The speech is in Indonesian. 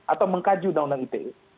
atau mengkaji undang undang ite